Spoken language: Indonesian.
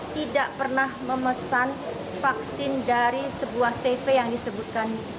tidak pernah memesan vaksin dari sebuah cv yang disebutkan